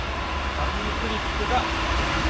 ダブルクリップが５００。